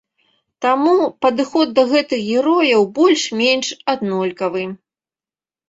Таму падыход да гэтых герояў больш-менш аднолькавы.